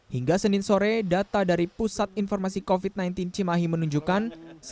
hingga senin sore data dari pusat informasi covid sembilan belas cimahi menunjukkan